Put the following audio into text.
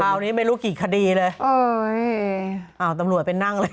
คราวนี้ไม่รู้กี่คดีเลยโอ้ยอ้าวตำรวจไปนั่งเลย